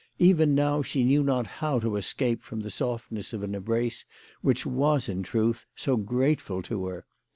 Even now she knew not how to escape from the softness of an embrace which was in truth so grateful to her.